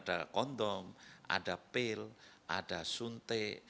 ada kondom ada pil ada suntik